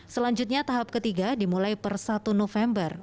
selanjutnya tahap ketiga dimulai per satu november